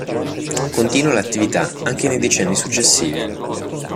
Continua l'attività anche nei decenni successivi.